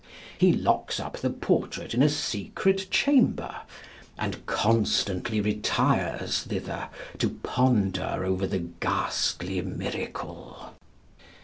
He locks up the portrait in a secret chamber, and constantly retires thither to ponder over the ghastly miracle.